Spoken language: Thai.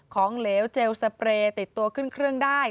เหลวเจลสเปรย์ติดตัวขึ้นเครื่องได้